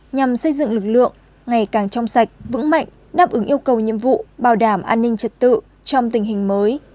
nhằm xây dựng lực lượng ngày càng trong sạch vững mạnh đáp ứng yêu cầu nhiệm vụ bảo đảm an ninh trật tự trong tình hình mới